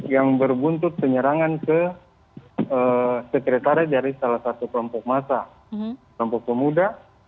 yang berbuntut penyerangan ke sekretariat dari salah satu kelompok massa kelompok pemuda